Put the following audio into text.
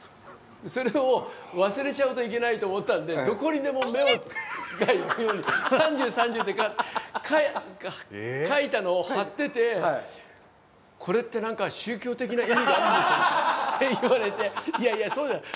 それを忘れちゃうといけないと思ったんでどこにでも目が行くように「３０」「３０」って書いたのを貼ってて「これってなんか宗教的な意味があるんでしょうか？」って言われていやいやそうじゃない。